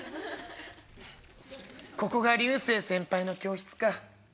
ここが流星先輩の教室か」。